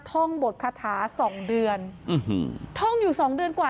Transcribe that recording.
ท่องบทคาถาสองเดือนท่องอยู่สองเดือนกว่า